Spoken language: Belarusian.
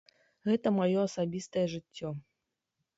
Гэта маё асабістае жыццё.